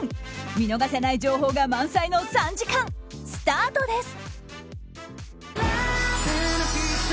見逃せない情報が満載の３時間スタートです！